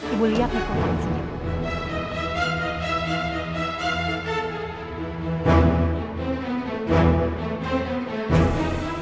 ibu lihat nih kawan